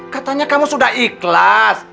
katanya kamu sudah ikhlas